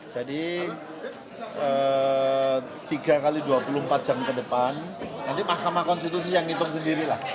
jadi tiga x dua puluh empat jam ke depan nanti mahkamah konstitusi yang ngitung sendiri lah